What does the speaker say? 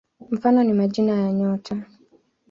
Mfano ni majina ya nyota.